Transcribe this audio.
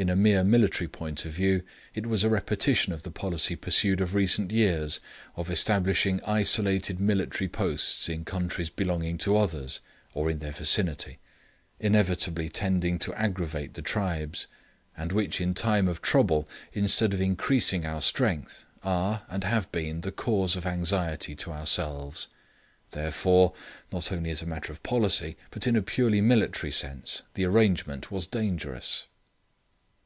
In a mere military point of view, it was a repetition of the policy pursued of recent years of establishing isolated military posts in countries belonging to others, or in their vicinity; inevitably tending to aggravate the tribes, and which in time of trouble, instead of increasing our strength, are and have been the cause of anxiety to ourselves. Therefore, not only as a matter of policy, but in a purely military sense, the arrangement was dangerous.